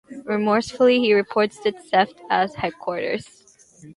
Remorsefully, he reports the theft at headquarters.